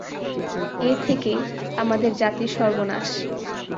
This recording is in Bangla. এ থেকেই আমাদের জাতির সর্বনাশ।